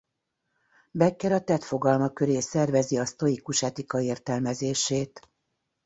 Becker a tett fogalma köré szervezi a sztoikus etika értelmezését.